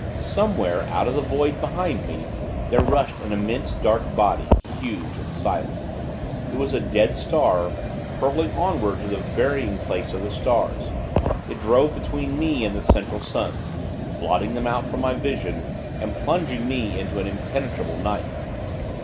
Somewhere, out of the void behind me, there rushed an immense, dark body huge and silent. It was a dead star, hurling onward to the burying place of the stars. It drove between me and the Central Suns blotting them out from my vision, and plunging me into an impenetrable night.